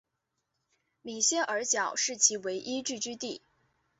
米歇尔角是其唯一聚居地。